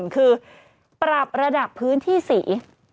คือปรับระดับพื้นที่สี